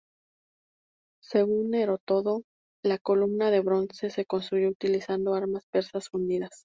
Según Heródoto, la columna de bronce se construyó utilizando armas persas fundidas.